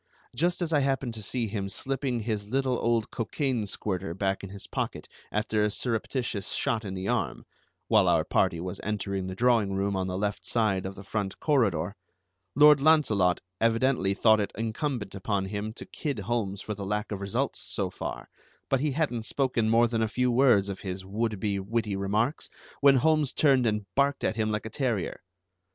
Just as I happened to see him slipping his little old cocaine squirter back in his pocket after a surreptitious shot in the arm (while our party was entering the drawing room on the left side of the front corridor), Lord Launcelot evidently thought it incumbent upon him to kid Holmes for the lack of results so far; but he hadn't spoken more than a few words of his would be witty remarks when Holmes turned and barked at him like a terrier.